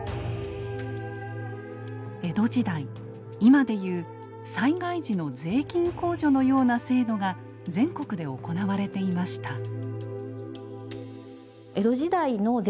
江戸時代今で言う災害時の税金控除のような制度が全国で行われていました。